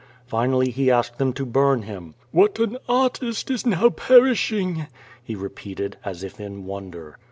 Finally he asked them to burn him. "What an artist is now perishing," he re peated as if in wonder.